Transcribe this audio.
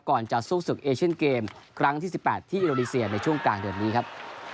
ก่อนจะสู้ศึกเอเชียนเกมครั้งที่๑๘ที่อินโดนีเซียในช่วงกลางเดือนนี้ครับ